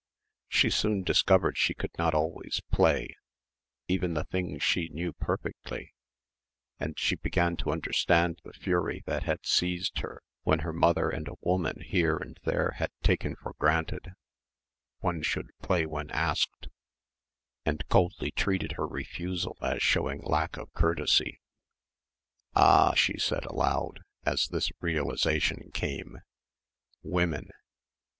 She soon discovered she could not always "play" even the things she knew perfectly and she began to understand the fury that had seized her when her mother and a woman here and there had taken for granted one should "play when asked," and coldly treated her refusal as showing lack of courtesy. "Ah!" she said aloud, as this realisation came, "Women."